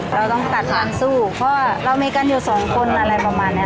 เราต้องตัดการสู้เพราะว่าเรามีกันอยู่สองคนอะไรประมาณเนี้ย